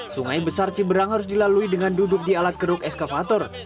sungai besar ciberang harus dilalui dengan duduk di alat keruk eskavator